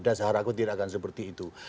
dan seharaku tidak akan seperti itu